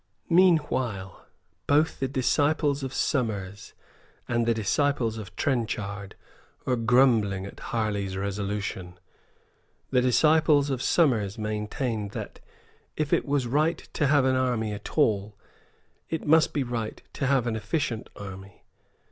Meanwhile, both the disciples of Somers and the disciples of Trenchard were grumbling at Harley's resolution. The disciples of Somers maintained that, if it was right to have an army at all, it must be right to have an efficient army.